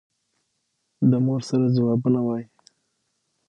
د مور سره جوابونه وايي.